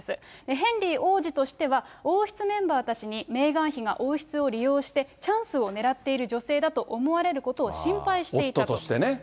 ヘンリー王子としては、王室メンバーたちに、メーガン妃が王室を利用してチャンスを狙っている女性だと思われ夫としてね。